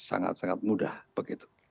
sangat sangat mudah begitu